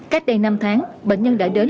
cách đây năm tháng bệnh nhân đã đến